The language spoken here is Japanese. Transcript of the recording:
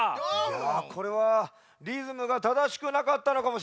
いやこれはリズムがただしくなかったのかもしれんな。